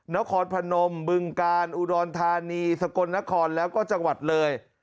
นครพนมบึงกาลอุดรธานีสกลนครแล้วก็จังหวัดเลย